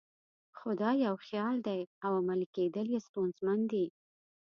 خو دا یو خیال دی او عملي کېدل یې ستونزمن دي.